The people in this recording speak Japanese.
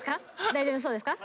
大丈夫そうですか？